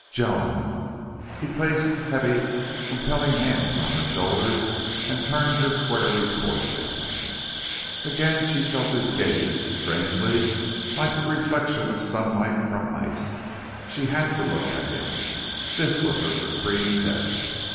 "Joan!" He placed heavy, compelling hands on her shoulders and turned her squarely toward him. Again she felt his gaze, strangely, like the reflection of sunlight from ice. She had to look at him. This was her supreme test.